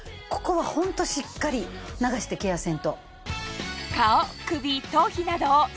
ホントしっかり流してケアせんと。